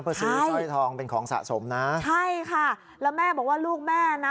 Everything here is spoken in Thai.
เพื่อซื้อสร้อยทองเป็นของสะสมนะใช่ค่ะแล้วแม่บอกว่าลูกแม่นะ